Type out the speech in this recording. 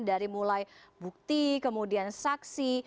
dari mulai bukti kemudian saksi